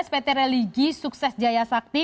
pt religi sukses jaya sakti